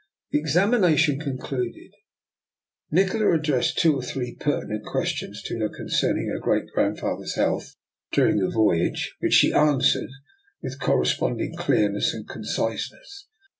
The ex amination concluded, Nikola addressed two ISO DR. NIKOLA'S EXPERIMENT. or three pertinent questions to her concern ing her great grandfather's health during the voyage, which she answered with correspond ing clearness and conciseness.